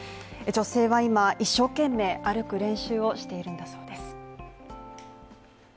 女性は今、一生懸命歩く練習をしているんだそうです。